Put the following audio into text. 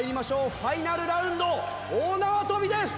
ファイナルラウンド大縄跳びです！